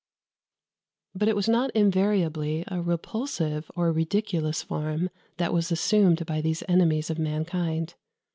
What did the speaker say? But it was not invariably a repulsive or ridiculous form that was assumed by these enemies of mankind.